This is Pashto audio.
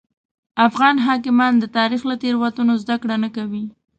افغان حاکمان د تاریخ له تېروتنو زده کړه نه کوي.